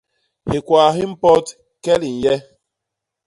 Hikwaa hi mpot, kel i nye!